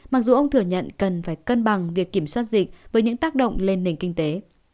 mặc dù ông thừa nhận cần phải cân bằng việc kiểm soát dịch với những tác động lên nền kinh tế